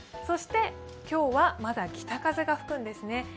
そして今日はまだ北風が吹くんですね。